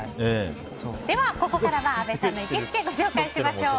では、ここからは阿部さんの行きつけをご紹介しましょう。